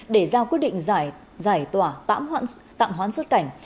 để giao quyết định giải tỏa tạm hoãn xuất cảnh